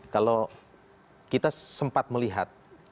kalau kita sempat melihat